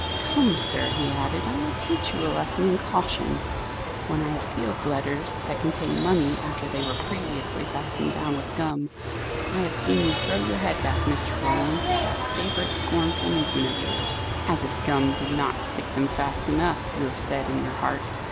"Come, sir," he added, "I will teach you a lesson in caution. When I have sealed letters that contained money after they were previously fastened down with gum, I have seen you throw your head back, Mr. Roland, with that favourite scornful movement of yours. 'As if gum did not stick them fast enough!' you have said in your heart.